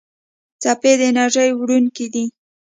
څپې د انرژۍ وړونکي دي.